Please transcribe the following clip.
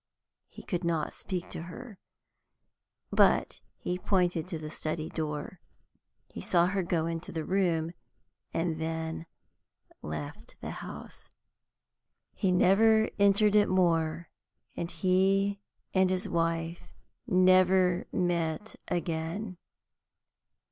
He could not speak to her, but he pointed to the study door. He saw her go into the room, and then left the house. He never entered it more, and he and his wife never met again.